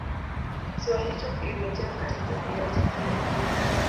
Kisiwa hicho kilirejea katika kilele cha mafanikio